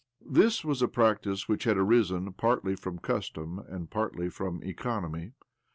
This was a practice which had arisen partly from custom and partly from economy.